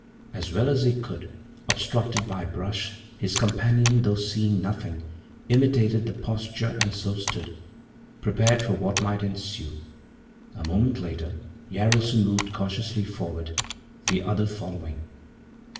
As well as he could, obstructed by brush, his companion, though seeing nothing, imitated the posture and so stood, prepared for what might ensue. A moment later Jaralson moved cautiously forward, the other following.